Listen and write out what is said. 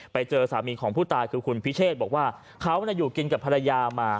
ไปเจอสามีของผู้ตายคือคุณพิเชษบอกว่าเขาอยู่กินกับภรรยามา